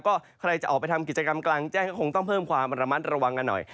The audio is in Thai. ก็ใครจะออกไปทำกิจกรรมกลางแจ้งก็คงต้องเพิ่มความระมัดระวังกันหน่อย